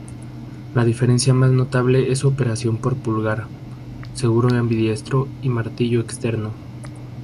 La diferencia más notable es su operación por pulgar, seguro ambidiestro y martillo externo.